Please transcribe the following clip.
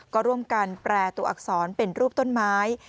ก็ร่วมกันแปรตัวอักษรเป็นรูปต้นไม้